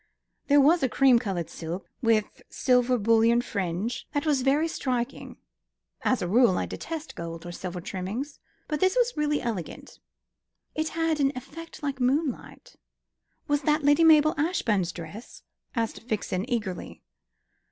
"There was a cream coloured silk, with silver bullion fringe, that was very striking. As a rule, I detest gold or silver trimmings; but this was really elegant. It had an effect like moonlight." "Was that Lady Mabel Ashbourne's dress?" asked Vixen eagerly.